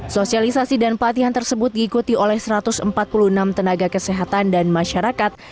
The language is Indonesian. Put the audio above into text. sosialisasi dan pelatihan tersebut diikuti oleh satu ratus empat puluh enam tenaga kesehatan dan masyarakat